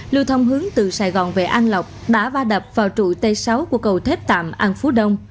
lưu thông hướng từ sài gòn về an lọc đã va đập vào trụ t sáu của cầu thép tạm an phú đông